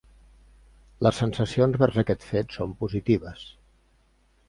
Les sensacions vers aquest fet són positives.